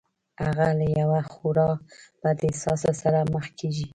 هغه له يوه خورا بد احساس سره مخ کېږي.